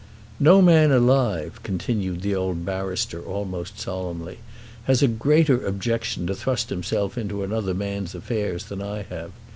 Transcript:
"No man alive," continued the old barrister almost solemnly, "has a greater objection to thrust himself into another man's affairs than I have.